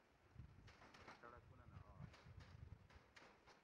څڑکونہ نہ آش